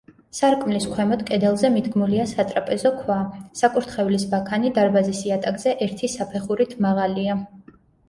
სარკმლის ქვემოთ, კედელზე მიდგმულია სატრაპეზო ქვა, საკურთხევლის ბაქანი დარბაზის იატაკზე ერთი საფეხურით მაღალია.